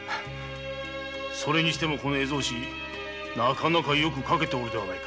それにしてもこの絵草子なかなかよく描けておるではないか。